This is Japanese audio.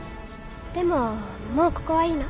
でももうここはいいの。